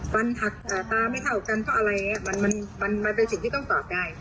ฟันหักตาไม่เท่ากันเพราะอะไรมันเป็นสิ่งที่ต้องตอบได้